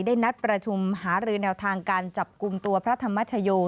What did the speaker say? นัดประชุมหารือแนวทางการจับกลุ่มตัวพระธรรมชโย